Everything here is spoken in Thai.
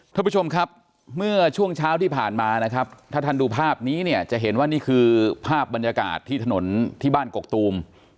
ท่านผู้ชมครับเมื่อช่วงเช้าที่ผ่านมานะครับถ้าท่านดูภาพนี้เนี่ยจะเห็นว่านี่คือภาพบรรยากาศที่ถนนที่บ้านกกตูม